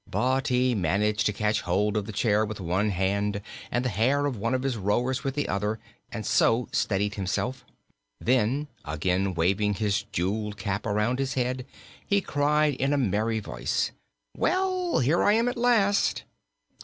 But he managed to catch hold of the chair with one hand and the hair of one of his rowers with the other, and so steadied himself. Then, again waving his jeweled cap around his head, he cried in a merry voice: "Well, here I am at last!"